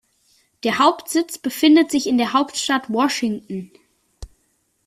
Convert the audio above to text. Der Hauptsitz befindet sich in der Hauptstadt Washington.